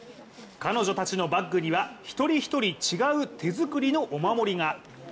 彼女たちのバッグには一人一人違うね手作りのお守りが。